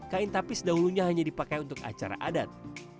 kain tapis dahulunya hanya dipakai untuk acara adat